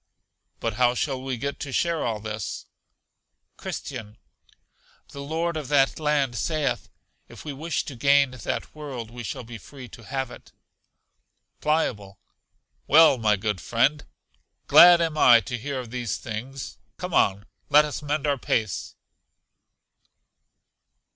But how shall we get to share all this? Christian. The Lord of that land saith, if we wish to gain that world we shall be free to have it. Pliable. Well, my good friend, glad am I to hear of these thing: come on, let us mend our pace.